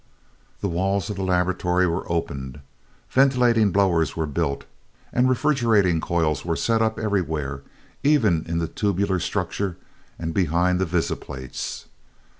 The walls of the laboratory were opened, ventilating blowers were built, and refrigerating coils were set up everywhere, even in the tubular structure and behind the visiplates.